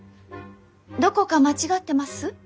どこか間違ってます？